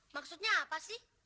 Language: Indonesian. maksudnya apa sih